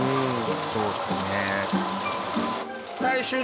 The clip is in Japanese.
そうですね。